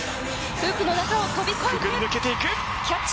フープの中を飛び越えてキャッチ。